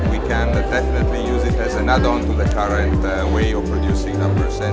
tapi kita bisa menggunakannya sebagai penambahan ke cara yang sedang dihasilkan